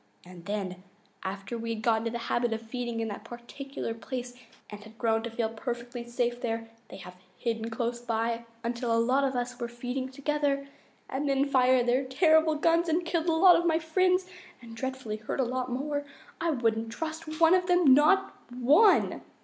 And then, after we had got in the habit of feeding in that particular place and had grown to feel perfectly safe there, they have hidden close by until a lot of us were feeding together and then fired their terrible guns and killed a lot of my friends and dreadfully hurt a lot more. I wouldn't trust one of them, not ONE!"